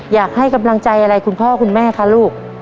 อยากให้กำลังใจอะไรคุณพ่อคุณแม่คะลูก